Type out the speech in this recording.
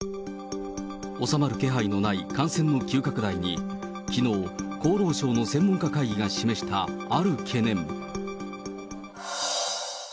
収まる気配のない感染の急拡大に、きのう、厚労省の専門家会議が示したある懸念。